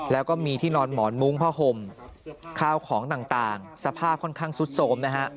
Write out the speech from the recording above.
แล้วก็มีที่นอนหมอนมุ้งผ้าห่มข้าวของต่างสภาพค่อนข้างซุดโสมนะฮะ